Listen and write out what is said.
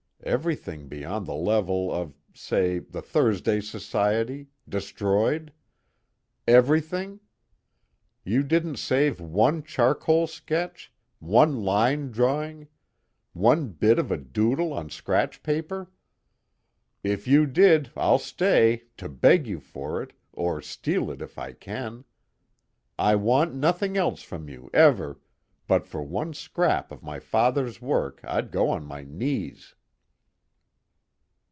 Everything beyond the level of, say, the Thursday Society destroyed? Everything? You didn't save one charcoal sketch, one line drawing, one bit of a doodle on scratch paper? If you did I'll stay, to beg you for it or steal it if I can. I want nothing else from you, ever, but for one scrap of my father's work I'd go on my knees."